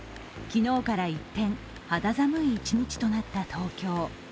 昨日から一転、肌寒い一日となった東京。